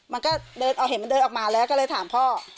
มันก็เดินออกเห็นมันเดินออกมาแล้วก็เลยถามพ่อ